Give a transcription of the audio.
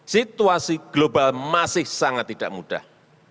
situasi global masih sangat tidak mudah